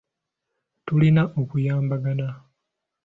Tulina okuyambagana.